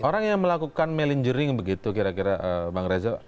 orang yang melakukan melinggering begitu kira kira bang reza